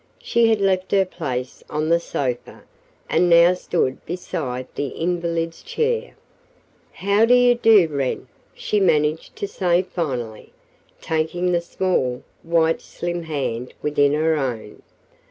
She had left her place on the sofa, and now stood beside the invalid's chair. "How do you do, Wren?" she managed to say finally, taking the small, white, slim hand within her own.